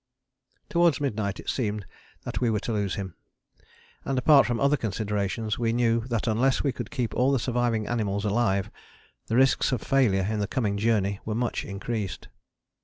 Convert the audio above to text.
" Towards midnight it seemed that we were to lose him, and, apart from other considerations, we knew that unless we could keep all the surviving animals alive the risks of failure in the coming journey were much increased.